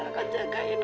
saya ingin kamu terus